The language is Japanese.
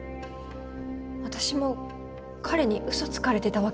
私も彼に嘘つかれてたわけだし。